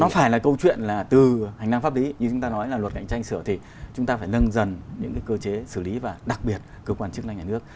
nó phải là câu chuyện là từ hành năng pháp lý như chúng ta nói là luật cạnh tranh sửa thì chúng ta phải nâng dần những cơ chế xử lý và đặc biệt cơ quan chức năng nhà nước